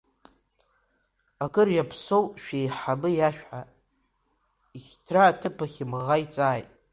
Акыр иаԥсоу шәеиҳабы иашәҳәа, ихьҭра аҭыԥахь имӷаиҵааит…